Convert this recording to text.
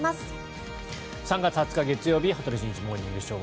３月２０日、月曜日「羽鳥慎一モーニングショー」。